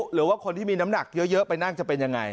หรือว่าคนที่มีน้ำหนักเยอะไปนั่งจะเป็นยังไง